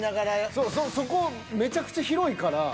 そうそこめちゃくちゃ広いから。